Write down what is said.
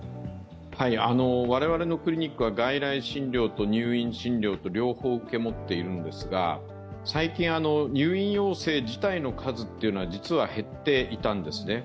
我々のクリニックは外来診療と入院診療と両方受け持っているんですが、最近、入院要請自体の数が実は減っていたんですね。